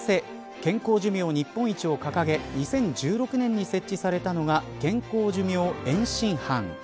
健康寿命日本一を掲げ２０１６年に設置されたのが健康寿命推進班。